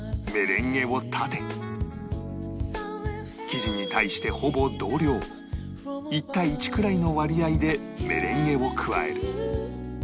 生地に対してほぼ同量１対１くらいの割合でメレンゲを加える